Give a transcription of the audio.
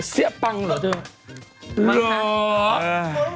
เสียปังเหรอเจ้า